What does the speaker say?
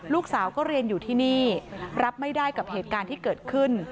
ลูกสาวก็เรียนอยู่ที่นี่รับไม่ได้กับเหตุการณ์ที่เกิดขึ้น